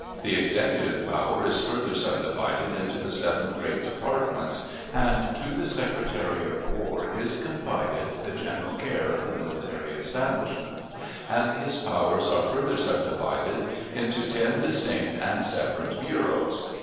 The executive power is further subdivided into the seven great departments, and to the Secretary of War is confided the general care of the military establishment, and his powers are further subdivided into ten distinct and separate bureaus.